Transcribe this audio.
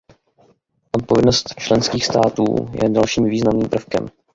Odpovědnost členských států je dalším významným prvkem.